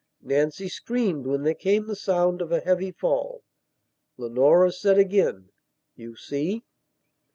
Nancy screamed when there came the sound of a heavy fall. Leonora said again: "You see!"